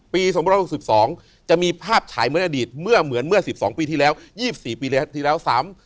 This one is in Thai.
๒๖๒จะมีภาพฉายเหมือนอดีตเมื่อเหมือนเมื่อ๑๒ปีที่แล้ว๒๔ปีที่แล้วซ้ำ